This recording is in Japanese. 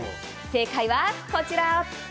正解はこちら。